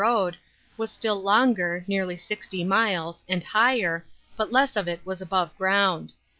CHAT, xxxi road, was still longer (nearly sixty miles) and higher, but less of it was above g'ound.